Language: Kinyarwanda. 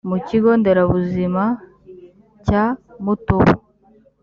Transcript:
mu kigo nderabuzima cya mutobo